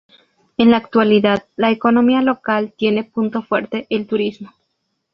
En la actualidad la economía local tiene punto fuerte el turismo.